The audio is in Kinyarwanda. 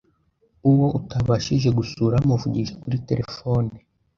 Uwo utabashije gusura muvugishe kuri telephone